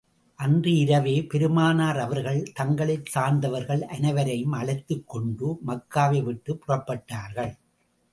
அன்று இரவே, பெருமானார் அவர்கள், தங்களைச் சார்ந்தவர்கள் அனைவரையும் அழைத்துக் கொண்டு, மக்காவை விட்டுப் புறப்பட்டார்கள்.